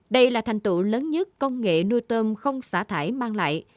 đây là thành tựu lớn nhất công nghệ nuôi tôm không xả thải mang lại